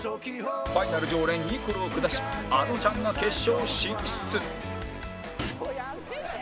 ファイナル常連ニコルを下しあのちゃんが決勝進出